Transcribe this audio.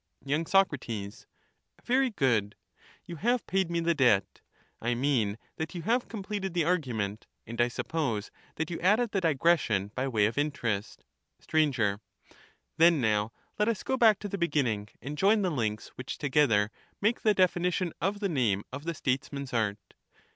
Y. Soc^ Very good ; you have paid me the debt, — I mean, 267 that you have completed the argument, and I suppose that you added the digressipnj)y way of interest \ S/r. Then nowHet us go back to the beginning, and join the links, which together make the definition of the name of the Statesman's art.